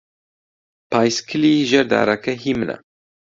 پایسکلی ژێر دارەکە هیی منە.